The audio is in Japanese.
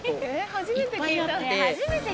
初めて聞いた。